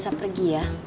gak usah pergi ya